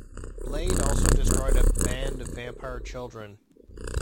Blade also destroyed a band of vampire children.